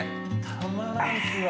たまらんすわ。